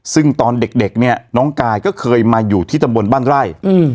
ซึ่งตอนเด็กเนี่ยน้องกายก็เคยมาอยู่ที่ตำบลบ้านไร่